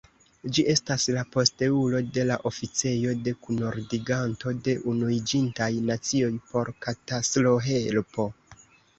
Ĝi estas la posteulo de la Oficejo de Kunordiganto de Unuiĝintaj Nacioj por Katastrohelpo.